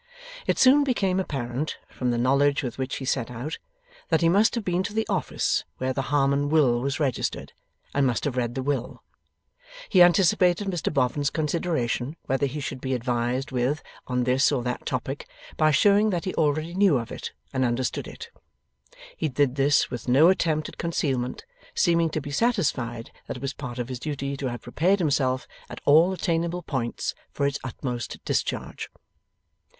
It soon became apparent (from the knowledge with which he set out) that he must have been to the office where the Harmon will was registered, and must have read the will. He anticipated Mr Boffin's consideration whether he should be advised with on this or that topic, by showing that he already knew of it and understood it. He did this with no attempt at concealment, seeming to be satisfied that it was part of his duty to have prepared himself at all attainable points for its utmost discharge.